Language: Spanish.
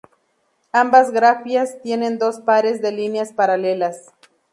Ambas grafías tienen dos pares de líneas paralelas.